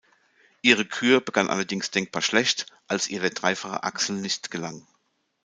Ihre Kür begann allerdings denkbar schlecht, als ihr der dreifache Axel nicht gelang.